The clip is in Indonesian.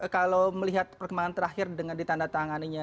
kalau melihat pertemuan terakhir dengan ditanda tangan itu